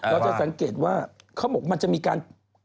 เราจะสังเกตว่าเขาบอกมันจะมีการ